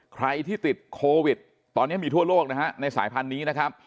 ใครที่ติดโควิดตอนนี้มีทั่วโลกนะฮะในสายพันธุ์นี้นะครับ